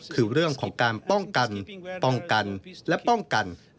คือเรื่องของการป้องกันป้องกันและป้องกัน